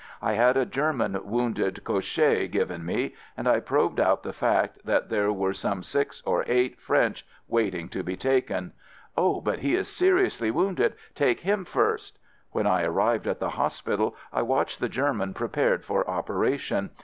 I had a German wounded couche given me and I probed out the fact that there were some six or eight French waiting to be taken. "Oh, but he is seriously wounded — take him first!" When I ar rived at the hospital, I watched the Ger man prepared for operation.